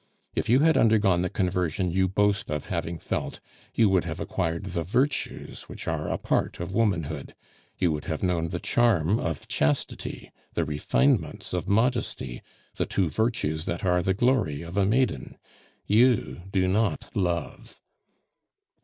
If you had undergone the conversion you boast of having felt, you would have acquired the virtues which are a part of womanhood; you would have known the charm of chastity, the refinements of modesty, the two virtues that are the glory of a maiden. You do not love."